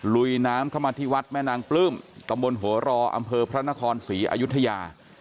ลุยน้ำเข้ามาที่วัดแม่นางปลื้มตำบลหัวรออำเภอพระนครศรีอายุทยา